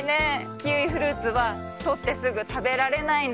キウイフルーツはとってすぐたべられないんです。